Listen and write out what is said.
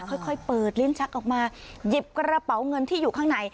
ค่อยเปิดลิ้นชักออกมาหยิบกระเป๋าเงินที่อยู่ข้างใน